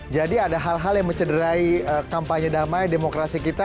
jadi ada hal hal yang mencederai kampanye damai demokrasi kita